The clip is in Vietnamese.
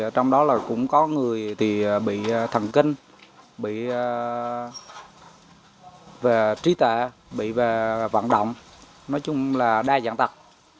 trong đó cũng có người bị thần kinh bị trí tệ bị vận động nói chung là đa dạng tật